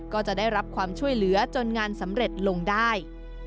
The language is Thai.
ก็จะได้รับความช่วยเหลือจนงานสำเร็จลงได้